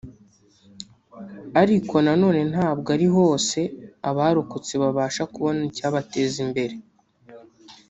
ariko na none ntabwo ari hose abarokotse babasha kubona icyabateza imbere